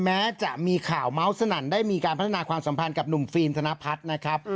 แม้จะมีข่าวเมาส์สนั่นได้มีการพัฒนาความสัมพันธ์กับหนุ่มฟิล์มธนพัฒน์นะครับ